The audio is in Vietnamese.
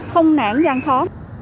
không nản gian khó